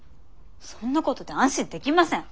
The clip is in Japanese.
そんなことで安心できません！